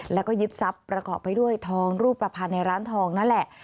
แล้วก็ยึดทรัพย์ประกอบไปด้วยทองรูปประพันธ์ในร้านทองนั่นแหละ